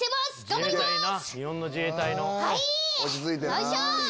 よいしょ！